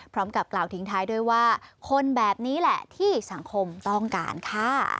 พร้อมกับกล่าวทิ้งท้ายด้วยว่าคนแบบนี้แหละที่สังคมต้องการค่ะ